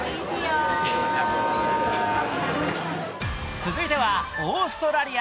続いてはオーストラリア。